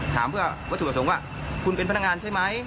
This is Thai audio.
ถามเพื่อวัตถุประสงค์ว่าคุณเป็นพนักงานใช่ไหม